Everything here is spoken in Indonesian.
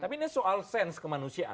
tapi ini soal sens kemanusiaan